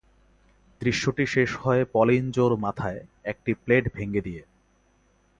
দৃশ্যটি শেষ হয় পলিন জো'র মাথায় একটি প্লেট ভেঙে দিয়ে।